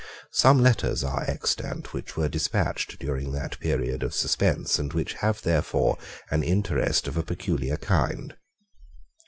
Some letters are extant which were despatched during that period of suspense, and which have therefore an interest of a peculiar kind.